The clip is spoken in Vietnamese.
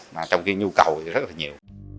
mà trong khi nhu cầu thì rất là nhiều